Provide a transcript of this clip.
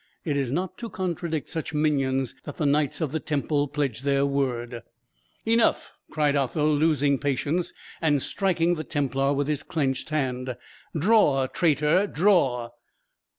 It is not to contradict such minions that the knights of the Temple pledge their word!" "Enough," cried Otho, losing patience, and striking the Templar with his clenched hand. "Draw, traitor, draw!"